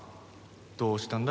どうしたんだ？